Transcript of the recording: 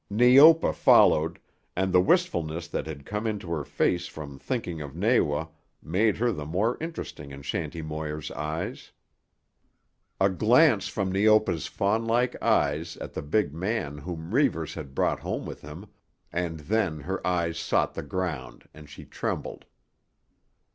Neopa followed, and the wistfulness that had come into her face from thinking of Nawa made her the more interesting in Shanty Moir's eyes. A glance from Neopa's fawn like eyes at the big man whom Reivers had brought home with him, and then her eyes sought the ground and she trembled.